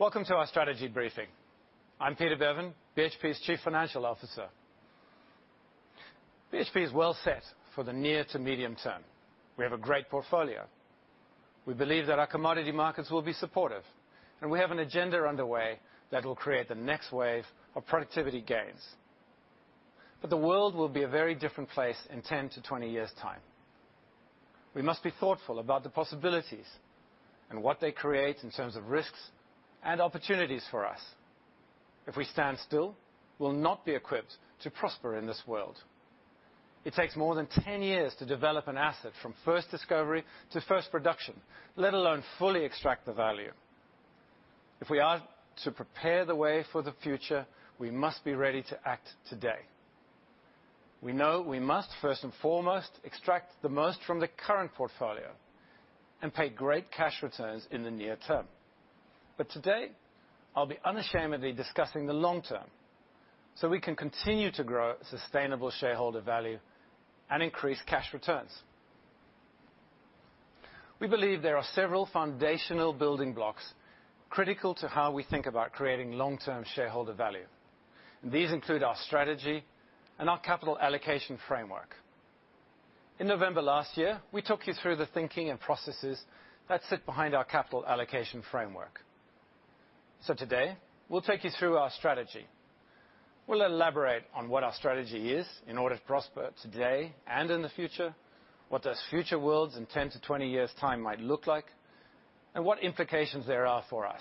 Welcome to our strategy briefing. I'm Peter Beavan, BHP's Chief Financial Officer. BHP is well set for the near to medium term. We have a great portfolio. We believe that our commodity markets will be supportive, and we have an agenda underway that will create the next wave of productivity gains. The world will be a very different place in 10 to 20 years' time. We must be thoughtful about the possibilities and what they create in terms of risks and opportunities for us. If we stand still, we'll not be equipped to prosper in this world. It takes more than 10 years to develop an asset from first discovery to first production, let alone fully extract the value. If we are to prepare the way for the future, we must be ready to act today. We know we must first and foremost extract the most from the current portfolio and pay great cash returns in the near term. Today, I'll be unashamedly discussing the long term so we can continue to grow sustainable shareholder value and increase cash returns. We believe there are several foundational building blocks critical to how we think about creating long-term shareholder value. These include our strategy and our capital allocation framework. In November last year, we took you through the thinking and processes that sit behind our capital allocation framework. Today, we'll take you through our strategy. We'll elaborate on what our strategy is in order to prosper today and in the future, what those future worlds in 10 to 20 years' time might look like, and what implications there are for us.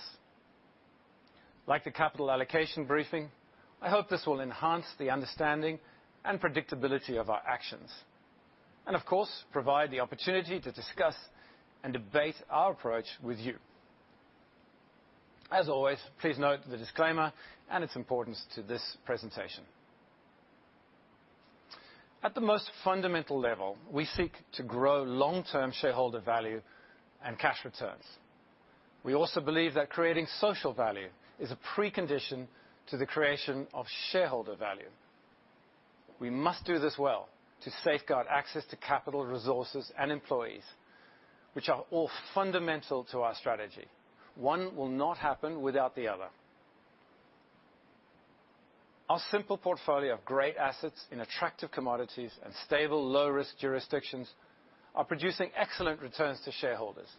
Like the capital allocation briefing, I hope this will enhance the understanding and predictability of our actions, and of course, provide the opportunity to discuss and debate our approach with you. As always, please note the disclaimer and its importance to this presentation. At the most fundamental level, we seek to grow long-term shareholder value and cash returns. We also believe that creating social value is a precondition to the creation of shareholder value. We must do this well to safeguard access to capital resources and employees, which are all fundamental to our strategy. One will not happen without the other. Our simple portfolio of great assets in attractive commodities and stable low-risk jurisdictions are producing excellent returns to shareholders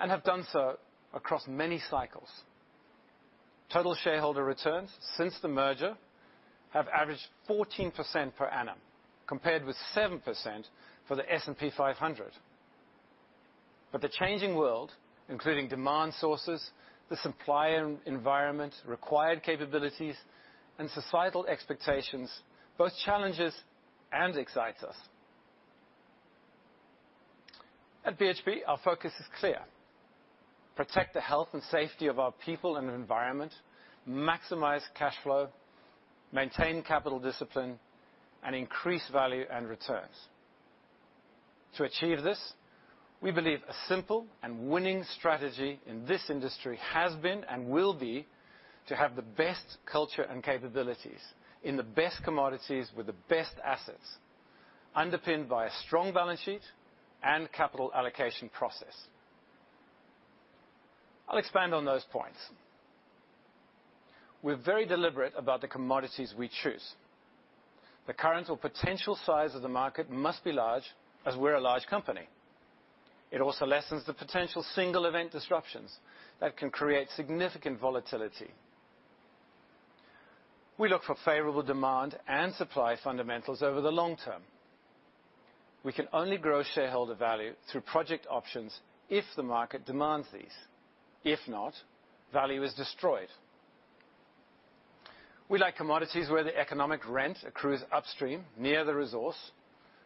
and have done so across many cycles. Total shareholder returns since the merger have averaged 14% per annum, compared with 7% for the S&P 500. The changing world, including demand sources, the supply environment, required capabilities, and societal expectations, both challenges and excites us. At BHP, our focus is clear. Protect the health and safety of our people and environment, maximize cash flow, maintain capital discipline, and increase value and returns. To achieve this, we believe a simple and winning strategy in this industry has been and will be to have the best culture and capabilities in the best commodities with the best assets, underpinned by a strong balance sheet and capital allocation process. I'll expand on those points. We're very deliberate about the commodities we choose. The current or potential size of the market must be large as we're a large company. It also lessens the potential single event disruptions that can create significant volatility. We look for favorable demand and supply fundamentals over the long term. We can only grow shareholder value through project options if the market demands these. If not, value is destroyed. We like commodities where the economic rent accrues upstream, near the resource,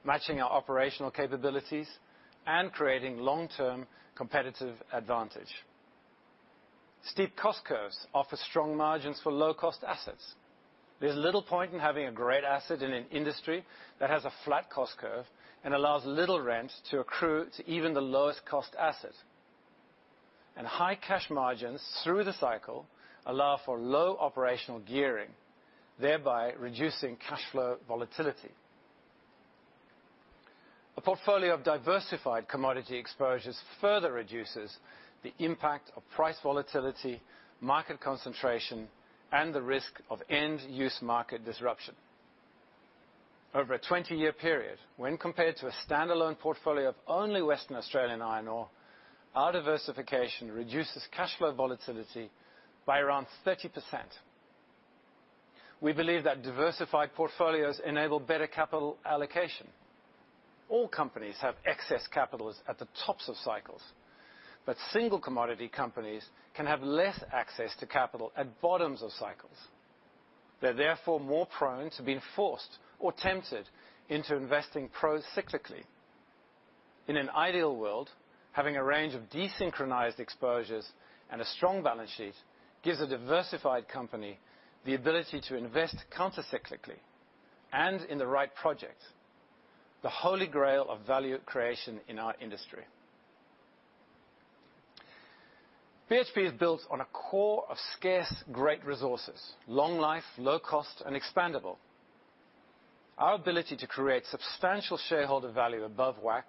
matching our operational capabilities and creating long-term competitive advantage. Steep cost curves offer strong margins for low-cost assets. There's little point in having a great asset in an industry that has a flat cost curve and allows little rent to accrue to even the lowest cost asset. High cash margins through the cycle allow for low operational gearing, thereby reducing cash flow volatility. A portfolio of diversified commodity exposures further reduces the impact of price volatility, market concentration, and the risk of end-use market disruption. Over a 20-year period, when compared to a standalone portfolio of only Western Australian iron ore, our diversification reduces cash flow volatility by around 30%. We believe that diversified portfolios enable better capital allocation. All companies have excess capitals at the tops of cycles, but single commodity companies can have less access to capital at bottoms of cycles. They're therefore more prone to being forced or tempted into investing pro-cyclically. In an ideal world, having a range of desynchronized exposures and a strong balance sheet gives a diversified company the ability to invest counter-cyclically and in the right project, the holy grail of value creation in our industry. BHP is built on a core of scarce, great resources, long life, low cost, and expandable. Our ability to create substantial shareholder value above WACC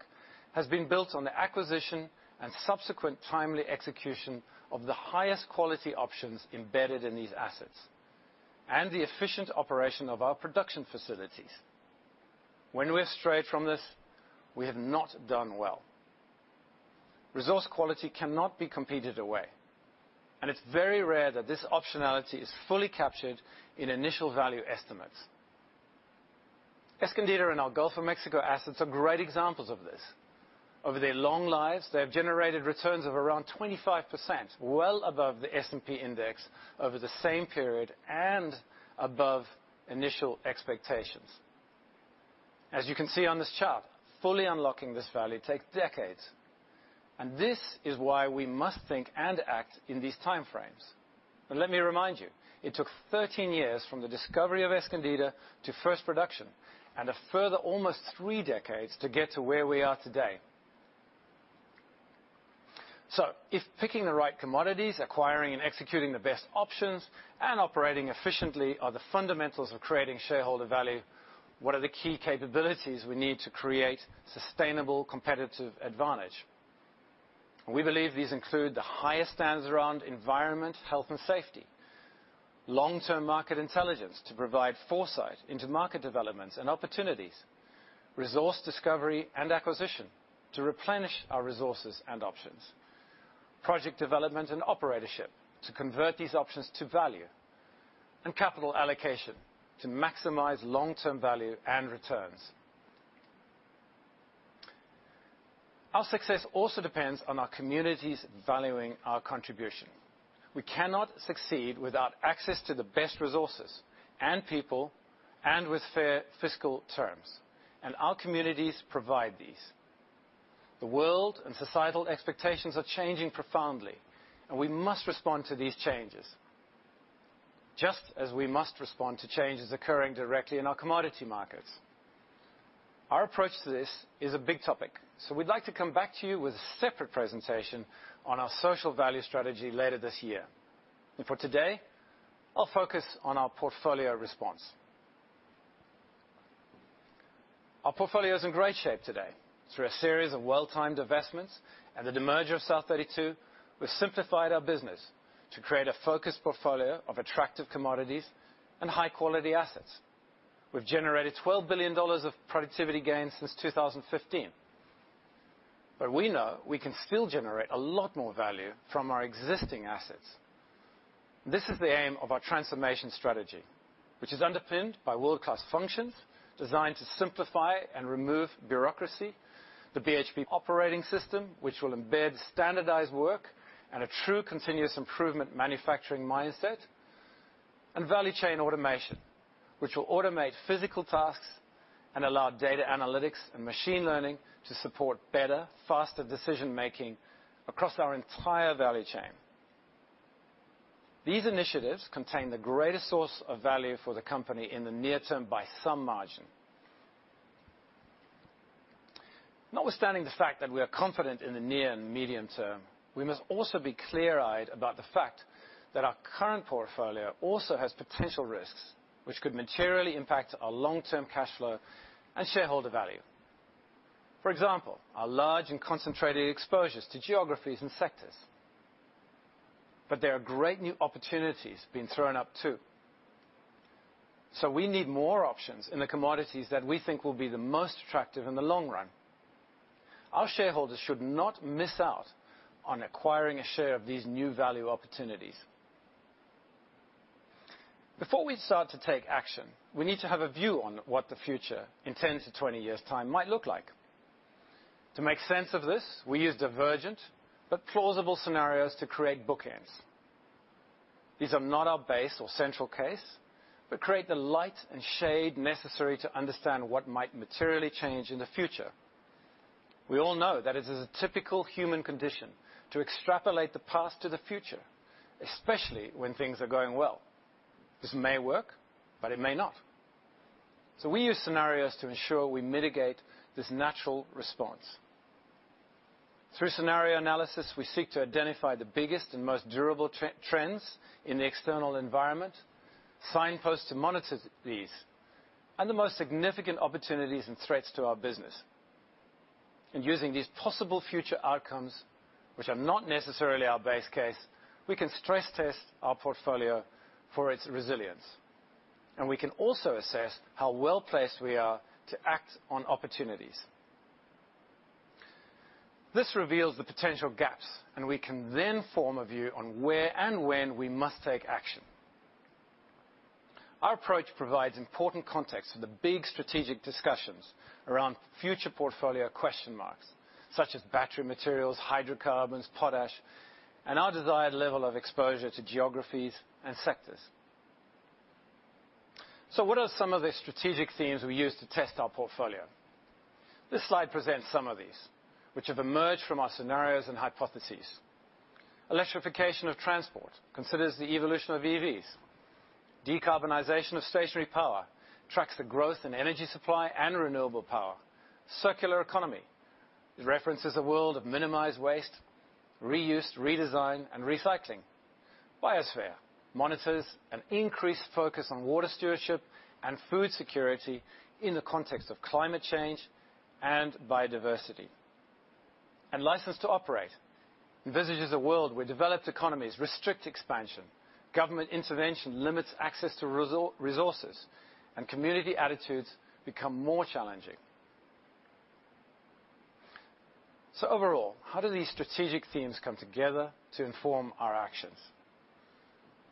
has been built on the acquisition and subsequent timely execution of the highest quality options embedded in these assets, and the efficient operation of our production facilities. When we astray from this, we have not done well. Resource quality cannot be competed away, and it's very rare that this optionality is fully captured in initial value estimates. Escondida and our Gulf of Mexico assets are great examples of this. Over their long lives, they have generated returns of around 25%, well above the S&P index over the same period and above initial expectations. As you can see on this chart, fully unlocking this value takes decades, and this is why we must think and act in these time frames. Let me remind you, it took 13 years from the discovery of Escondida to first production, and a further almost three decades to get to where we are today. If picking the right commodities, acquiring and executing the best options, and operating efficiently are the fundamentals of creating shareholder value, what are the key capabilities we need to create sustainable competitive advantage? We believe these include the highest standards around environment, health, and safety. Long-term market intelligence to provide foresight into market developments and opportunities. Resource discovery and acquisition to replenish our resources and options. Project development and operatorship to convert these options to value. Capital allocation to maximize long-term value and returns. Our success also depends on our communities valuing our contribution. We cannot succeed without access to the best resources and people, and with fair fiscal terms, and our communities provide these. The world and societal expectations are changing profoundly, and we must respond to these changes, just as we must respond to changes occurring directly in our commodity markets. Our approach to this is a big topic, we'd like to come back to you with a separate presentation on our social value strategy later this year. For today, I'll focus on our portfolio response. Our portfolio is in great shape today. Through a series of well-timed investments and the demerger of South32, we've simplified our business to create a focused portfolio of attractive commodities and high-quality assets. We've generated $12 billion of productivity gains since 2015, but we know we can still generate a lot more value from our existing assets. This is the aim of our transformation strategy, which is underpinned by world-class functions designed to simplify and remove bureaucracy, the BHP Operating System, which will embed standardized work and a true continuous improvement manufacturing mindset, and value chain automation, which will automate physical tasks and allow data analytics and machine learning to support better, faster decision-making across our entire value chain. These initiatives contain the greatest source of value for the company in the near term by some margin. Notwithstanding the fact that we are confident in the near and medium term, we must also be clear-eyed about the fact that our current portfolio also has potential risks which could materially impact our long-term cash flow and shareholder value. For example, our large and concentrated exposures to geographies and sectors. There are great new opportunities being thrown up, too. We need more options in the commodities that we think will be the most attractive in the long run. Our shareholders should not miss out on acquiring a share of these new value opportunities. Before we start to take action, we need to have a view on what the future in 10 to 20 years' time might look like. To make sense of this, we use divergent but plausible scenarios to create bookends. These are not our base or central case, but create the light and shade necessary to understand what might materially change in the future. We all know that it is a typical human condition to extrapolate the past to the future, especially when things are going well. This may work, but it may not. We use scenarios to ensure we mitigate this natural response. Through scenario analysis, we seek to identify the biggest and most durable trends in the external environment, signpost to monitor these, and the most significant opportunities and threats to our business. In using these possible future outcomes, which are not necessarily our base case, we can stress-test our portfolio for its resilience, and we can also assess how well-placed we are to act on opportunities. This reveals the potential gaps, and we can then form a view on where and when we must take action. Our approach provides important context for the big strategic discussions around future portfolio question marks, such as battery materials, hydrocarbons, potash, and our desired level of exposure to geographies and sectors. What are some of the strategic themes we use to test our portfolio? This slide presents some of these, which have emerged from our scenarios and hypotheses. Electrification of transport considers the evolution of EVs. Decarbonization of stationary power tracks the growth in energy supply and renewable power. Circular economy. It references a world of minimized waste, reuse, redesign, and recycling. Biosphere monitors an increased focus on water stewardship and food security in the context of climate change and biodiversity. License to operate envisages a world where developed economies restrict expansion, government intervention limits access to resources, and community attitudes become more challenging. Overall, how do these strategic themes come together to inform our actions?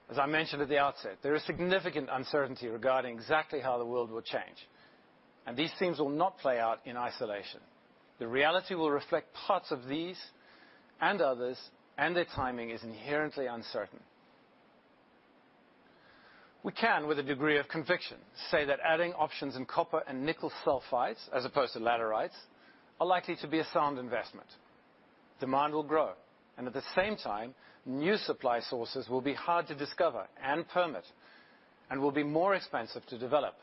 As I mentioned at the outset, there is significant uncertainty regarding exactly how the world will change, and these themes will not play out in isolation. The reality will reflect parts of these and others, and their timing is inherently uncertain. We can, with a degree of conviction, say that adding options in copper and nickel sulfides, as opposed to laterites, are likely to be a sound investment. Demand will grow and at the same time, new supply sources will be hard to discover and permit, and will be more expensive to develop.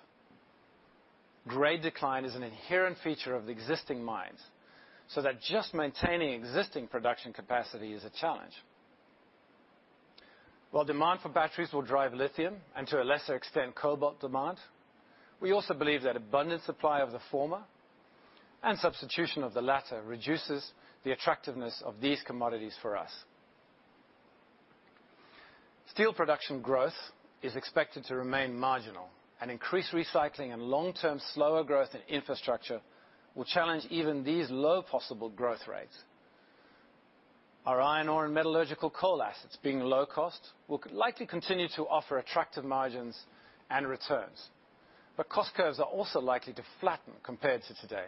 Grade decline is an inherent feature of the existing mines, so that just maintaining existing production capacity is a challenge. While demand for batteries will drive lithium, and to a lesser extent, cobalt demand, we also believe that abundant supply of the former and substitution of the latter reduces the attractiveness of these commodities for us. Steel production growth is expected to remain marginal, and increased recycling and long-term slower growth in infrastructure will challenge even these low possible growth rates. Our iron ore and metallurgical coal assets, being low cost, will likely continue to offer attractive margins and returns. Cost curves are also likely to flatten compared to today,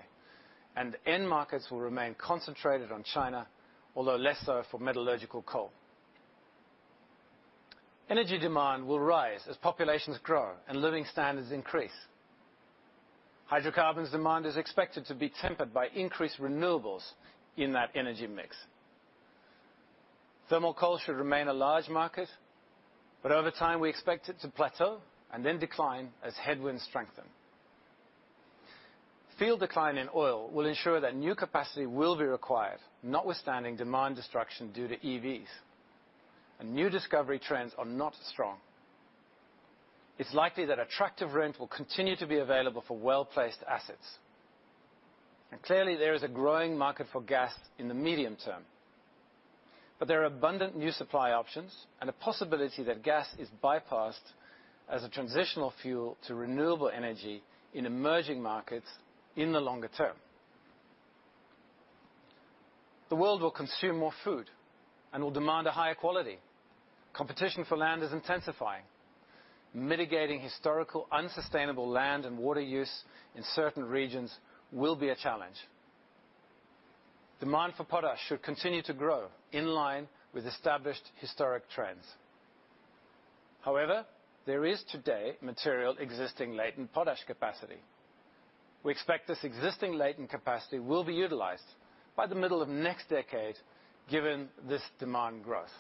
and end markets will remain concentrated on China, although less so for metallurgical coal. Energy demand will rise as populations grow and living standards increase. Hydrocarbons demand is expected to be tempered by increased renewables in that energy mix. Thermal coal should remain a large market, but over time we expect it to plateau and then decline as headwinds strengthen. Field decline in oil will ensure that new capacity will be required, notwithstanding demand destruction due to EVs. New discovery trends are not strong. It's likely that attractive rent will continue to be available for well-placed assets. Clearly there is a growing market for gas in the medium term. There are abundant new supply options and a possibility that gas is bypassed as a transitional fuel to renewable energy in emerging markets in the longer term. The world will consume more food and will demand a higher quality. Competition for land is intensifying. Mitigating historical unsustainable land and water use in certain regions will be a challenge. Demand for potash should continue to grow in line with established historic trends. However, there is today material existing latent potash capacity. We expect this existing latent capacity will be utilized by the middle of next decade given this demand growth,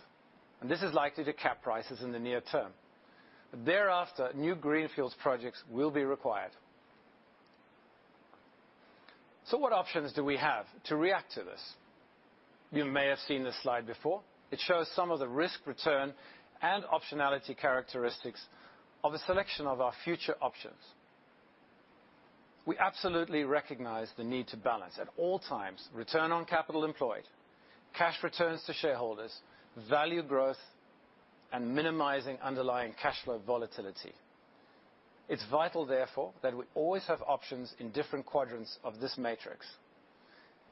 and this is likely to cap prices in the near term. Thereafter, new greenfields projects will be required. What options do we have to react to this? You may have seen this slide before. It shows some of the risk/return and optionality characteristics of a selection of our future options. We absolutely recognize the need to balance, at all times, return on capital employed, cash returns to shareholders, value growth, and minimizing underlying cash flow volatility. It's vital, therefore, that we always have options in different quadrants of this matrix.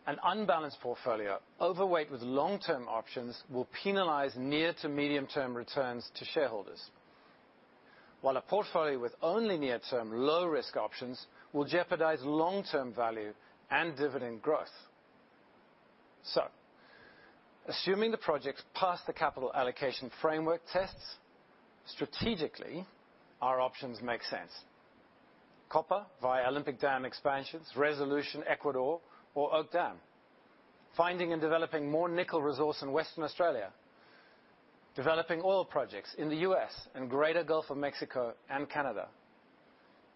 An unbalanced portfolio overweight with long-term options will penalize near to medium term returns to shareholders. While a portfolio with only near term low risk options will jeopardize long-term value and dividend growth. Assuming the projects pass the capital allocation framework tests, strategically, our options make sense. Copper via Olympic Dam expansions, Resolution Ecuador or Oak Dam, finding and developing more nickel resource in Western Australia, developing oil projects in the U.S. and Greater Gulf of Mexico and Canada.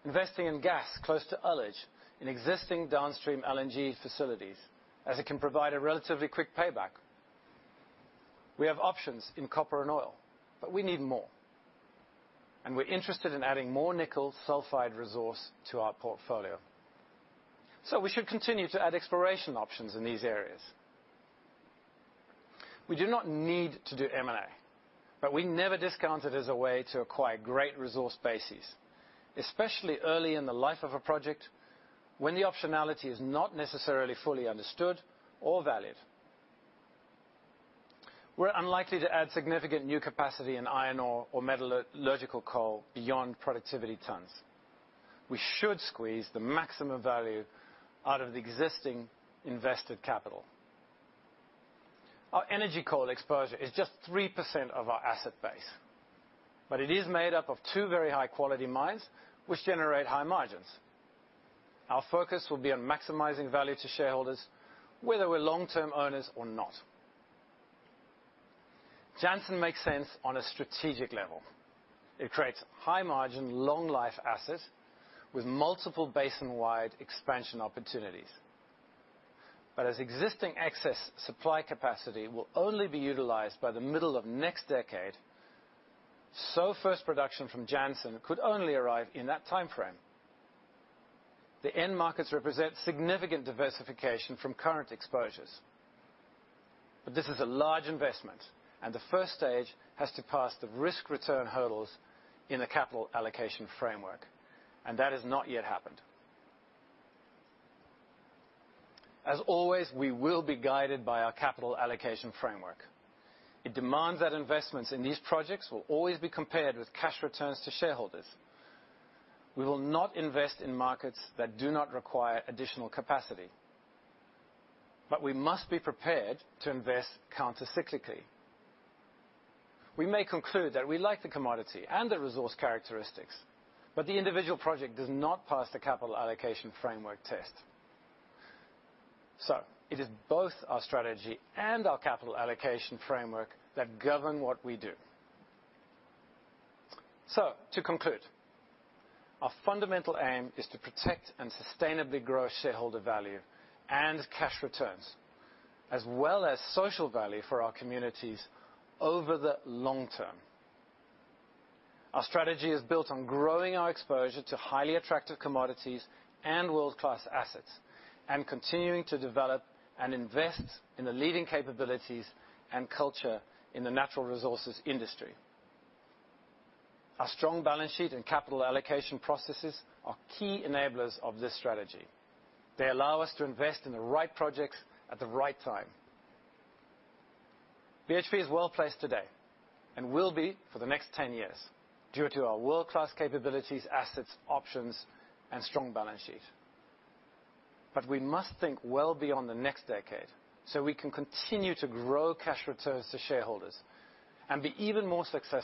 Investing in gas close to [Ullage] in existing downstream LNG facilities, as it can provide a relatively quick payback. We have options in copper and oil, but we need more, and we're interested in adding more nickel sulfide resource to our portfolio. We should continue to add exploration options in these areas. We do not need to do M&A, but we never discount it as a way to acquire great resource bases, especially early in the life of a project when the optionality is not necessarily fully understood or valid. We're unlikely to add significant new capacity in iron ore or metallurgical coal beyond productivity tons. We should squeeze the maximum value out of the existing invested capital. Our energy coal exposure is just 3% of our asset base, but it is made up of two very high-quality mines which generate high margins. Our focus will be on maximizing value to shareholders, whether we're long-term owners or not. Jansen makes sense on a strategic level. It creates high margin, long life assets with multiple basin-wide expansion opportunities. As existing excess supply capacity will only be utilized by the middle of next decade, so first production from Jansen could only arrive in that timeframe. The end markets represent significant diversification from current exposures. This is a large investment, and the first stage has to pass the risk-return hurdles in a capital allocation framework, and that has not yet happened. As always, we will be guided by our capital allocation framework. It demands that investments in these projects will always be compared with cash returns to shareholders. We will not invest in markets that do not require additional capacity. We must be prepared to invest counter-cyclically. We may conclude that we like the commodity and the resource characteristics, but the individual project does not pass the capital allocation framework test. It is both our strategy and our capital allocation framework that govern what we do. To conclude, our fundamental aim is to protect and sustainably grow shareholder value and cash returns, as well as social value for our communities over the long term. Our strategy is built on growing our exposure to highly attractive commodities and world-class assets and continuing to develop and invest in the leading capabilities and culture in the natural resources industry. Our strong balance sheet and capital allocation processes are key enablers of this strategy. They allow us to invest in the right projects at the right time. BHP is well-placed today and will be for the next 10 years due to our world-class capabilities, assets, options, and strong balance sheet. We must think well beyond the next decade so we can continue to grow cash returns to shareholders and be even more successful